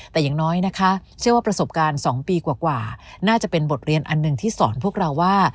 แต่อย่างน้อยนะคะเชื่อว่าประสบการณ์๒ปีกว่าน่าจะเป็นบทเรียนอันหนึ่งที่สอนพวกเราว่า